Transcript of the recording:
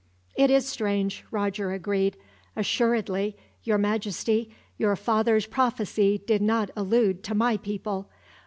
"It is strange," Roger agreed. "Assuredly, your Majesty, your father's prophecy did not allude to my people.